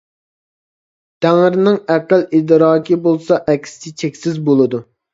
تەڭرىنىڭ ئەقىل-ئىدراكى بولسا ئەكسىچە چەكسىز بولىدۇ.